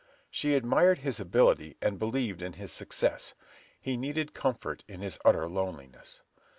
She admired his ability, and believed in his success; he needed comfort in his utter loneliness.